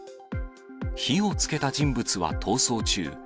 火をつけた人物は逃走中。